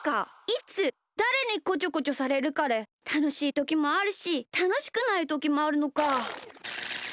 いつだれにこちょこちょされるかでたのしいときもあるしたのしくないときもあるのか。